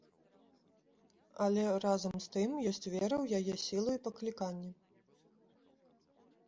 Але, разам з тым, ёсць вера ў яе сілу і пакліканне.